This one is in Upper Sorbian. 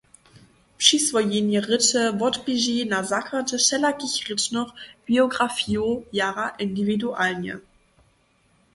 Přiswojenje rěče wotběži na zakładźe wšelakich rěčnych biografijow jara indiwidualnje.